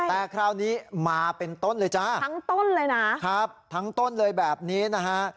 แต่คราวนี้มาเป็นต้นเลยจ้าทั้งต้นเลยนะครับทั้งต้นเลยแบบนี้นะฮะ